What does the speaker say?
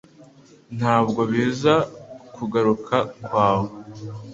Ntabwo biza ku kaguru kawe